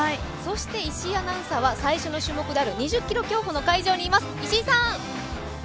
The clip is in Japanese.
石井アナウンサーは最初の種目である２０ｋｍ競歩の会場にいます。